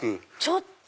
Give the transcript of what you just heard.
ちょっと！